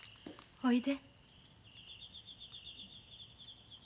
おいで！